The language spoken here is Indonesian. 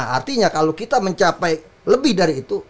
artinya kalau kita mencapai lebih dari itu